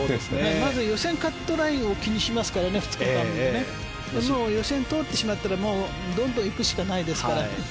まず予選カットラインを気にしますからね、２日間はね。予選を通ってしまったらどんどん行くしかないですから。